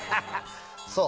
そう。